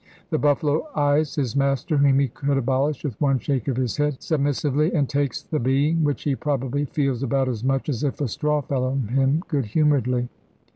The buffalo eyes his master, whom he could abolish with one shake of his head, submissively, and takes the beating, which he probably feels about as much as if a straw fell on him, good humouredly.